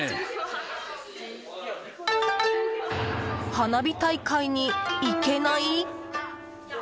花火大会に行けない？